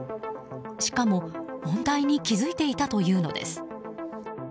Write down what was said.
しかも問題に気づいていたというのです。